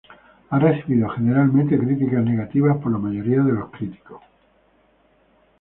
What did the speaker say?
Ha recibido generalmente críticas negativas por la mayoría de los críticos.